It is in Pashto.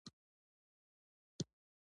ډېر عام شکل یې د مقدسو جنګونو تیوري ده.